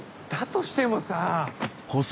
としてもさ。